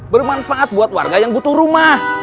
bermanfaat buat warga yang butuh rumah